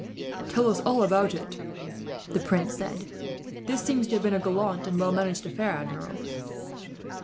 "Tell us all about it," the prince said. "This seems to have been a gallant and well managed affair, Admiral."